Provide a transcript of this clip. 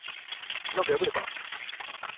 なんか破れた。